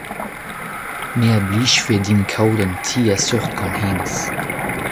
Me a blijfe din kaout un ti a seurt gant hennezh.